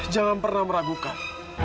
jangan pernah meragukan